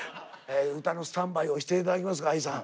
歌のスタンバイをして頂きますかＡＩさん。